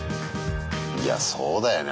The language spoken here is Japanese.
いやそうだよね